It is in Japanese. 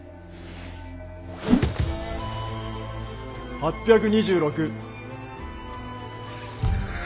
８２６。